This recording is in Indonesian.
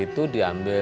waktu di intraheria